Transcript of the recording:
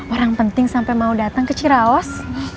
orang penting sampai mau datang ke ciraos